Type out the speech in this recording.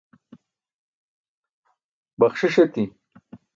baxṣiṣ eti